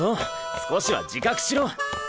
少しは自覚しろ！